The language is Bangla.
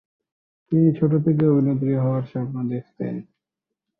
তিনি ছোট থেকেই অভিনেত্রী হওয়ার স্বপ্ন দেখেতেন।